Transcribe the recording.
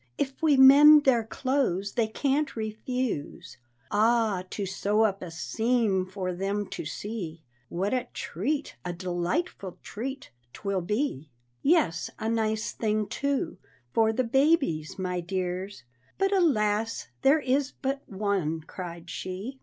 If we mend their clothes they can't refuse. Ah, to sew up a seam for them to see What a treat, a delightful treat, 'twill be!" "Yes, a nice thing, too, for the babies, my dears But, alas, there is but one!" cried she.